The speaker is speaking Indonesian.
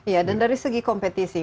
iya dan dari segi kompetisi